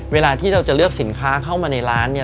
เวลาที่เราจะเลือกสินค้าเข้ามาในร้านเนี่ย